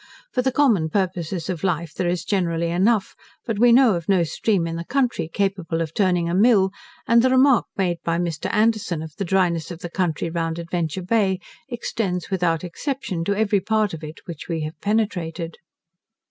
For the common purposes of life there is generally enough; but we know of no stream in the country capable of turning a mill: and the remark made by Mr. Anderson, of the dryness of the country round Adventure Bay, extends without exception to every part of it which we have penetrated.